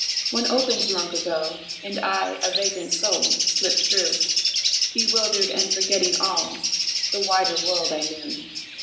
One opened long ago, and I A vagrant soul, slipped through, Bewildered and forgetting all The wider world I knew.